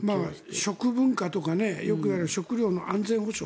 食文化とかよくいわれる食糧の安全保障。